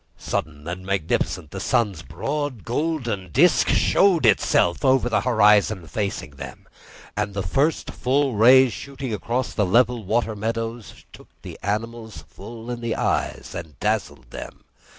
Sudden and magnificent, the sun's broad golden disc showed itself over the horizon facing them; and the first rays, shooting across the level water meadows, took the animals full in the eyes and dazzled them.